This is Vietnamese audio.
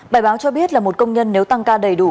bài báo cho biết là một công nhân nếu tăng ca đầy đủ